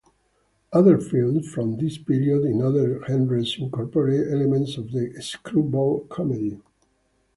Other films from this period in other genres incorporate elements of the screwball comedy.